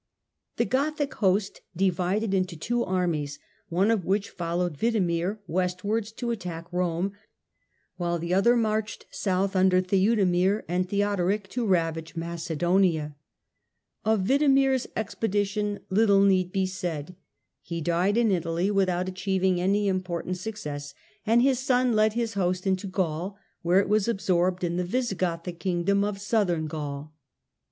The Gothic host divided into two armies, one of which followed Widemir westwards to attack Rome, while the other marched south under Theudemir and Theodoric to ravage Macedonia. Of Widemir's expedi tion little need be said. He died in Italy without achieving any important success, and his son led his host into Gaul, where it was absorbed in the Visigothic kingdom of Southern Gaul.